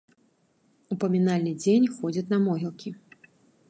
У памінальны дзень ходзяць на могілкі.